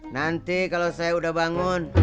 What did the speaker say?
nanti kalau saya udah bangun